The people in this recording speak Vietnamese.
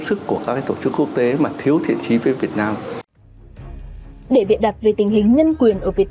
sức của các tổ chức quốc tế mà thiếu thiện trí với việt nam để biện đặt về tình hình nhân quyền ở việt